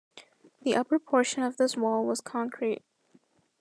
The upper portion of this wall was concrete.